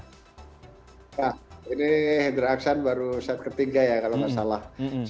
nah ini hendra aksan baru set ke tiga ya kalau tidak salah